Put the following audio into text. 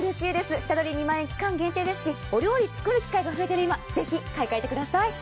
下取り期間限定２万円ですし、お料理作る機会が増えている今、ぜひ買い換えてください。